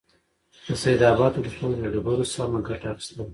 د سيدآباد ولسوالۍ له ډبرو سمه گټه اخيستل: